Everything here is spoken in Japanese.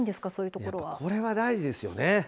これは大事ですよね。